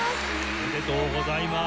おめでとうございます。